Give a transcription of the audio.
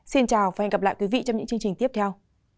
xin chào và hẹn gặp lại quý vị trong những chương trình tiếp theo